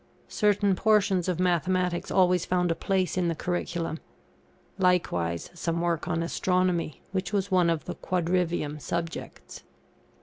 Certain portions of Mathematics always found a place in the curriculum. Likewise, some work on Astronomy, which was one of the quadrivium subjects.